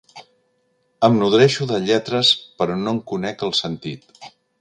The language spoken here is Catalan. Em nodreixo de lletres però no en conec el sentit.